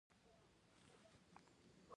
مجاهد د خپل ملت خدمت عبادت ګڼي.